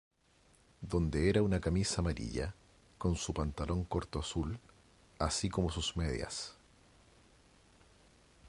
Donde era una camisa amarilla, con un pantalón corto azul, así como sus medias.